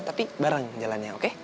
tapi bareng jalannya oke